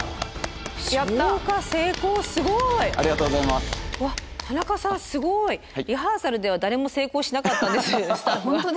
うわっ田中さんすごい！リハーサルでは誰も成功しなかったんですスタッフが。